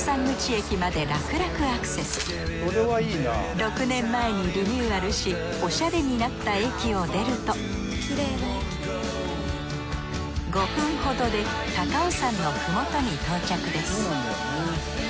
６年前にリニューアルしおしゃれになった駅を出ると５分ほどで高尾山のふもとに到着です。